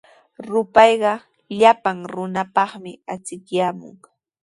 Rupayqa llapan runapaqmi achikyaamun.